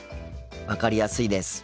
分かりやすいです。